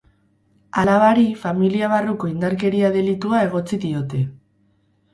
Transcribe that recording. Alabari familia barruko indarkeria delitua egotzi diote.